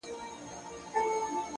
خو هغه زړور زوړ غم ژوندی گرځي حیات دی،